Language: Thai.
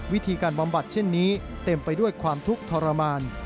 บำบัดเช่นนี้เต็มไปด้วยความทุกข์ทรมาน